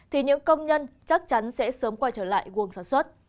thì những công nhân chắc chắn sẽ sớm quay trở lại worlg sản xuất